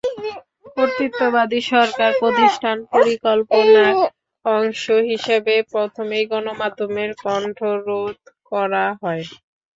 কর্তৃত্ববাদী সরকার প্রতিষ্ঠার পরিকল্পনার অংশ হিসেবে প্রথমেই গণমাধ্যমের কণ্ঠরোধ করা হয়।